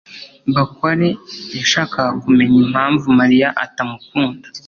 bakware yashakaga kumenya impamvu mariya atamukunda